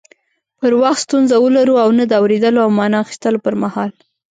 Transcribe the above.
پر وخت ستونزه ولرو او نه د اوريدلو او معنی اخستلو پر مهال